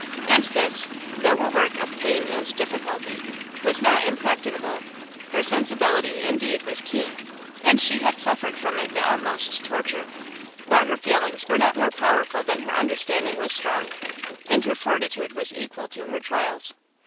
And this, though a work of pain and difficulty, was not impracticable; her sensibility, indeed, was keen, and she had suffered from it the utmost torture; but her feelings were not more powerful than her understanding was strong, and her fortitude was equal to her trials.